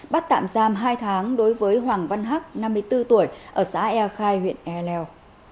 bắt tạm giam hai tháng đối với hoàng văn hắc năm mươi bốn tuổi ở xã eo khai huyện eleo